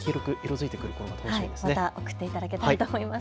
また送っていただけたらと思います。